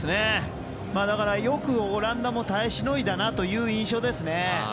だから、よくオランダも耐え忍んだなという印象ですね。